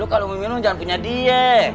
lu kalau mau minum jangan punya diet